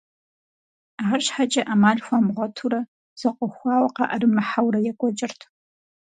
АрщхьэкӀэ Ӏэмал хуамыгъуэтурэ, зэкъуэхуауэ къаӀэрымыхьэурэ екӀуэкӀырт.